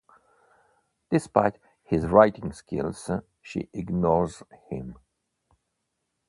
Despite his writing skills, she ignores him.